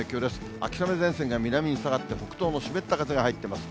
秋雨前線が南に下がって、北東の湿った風が入ってます。